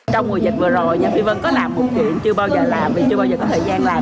trong mùa dịch vừa rồi phi vân có làm một chuyện chưa bao giờ làm vì chưa bao giờ có thời gian làm